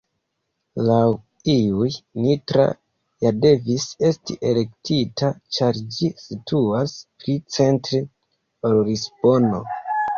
Laŭ iuj, Nitra ja devis esti elektita ĉar ĝi situas pli 'centre' ol Lisbono.